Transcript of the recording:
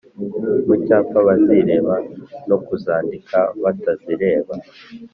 mu cyapa bazireba no kuzandika batazireba;